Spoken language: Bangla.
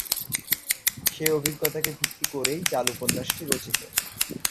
সেই অভিজ্ঞতাকে ভিত্তি করেই 'জাল' উপন্যাসটি রচিত।